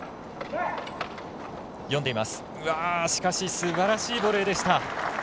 すばらしいボレーでした。